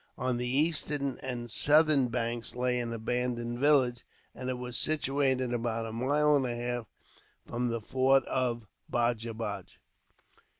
On the eastern and southern banks lay an abandoned village, and it was situated about a mile and a half from the fort of Baj baj.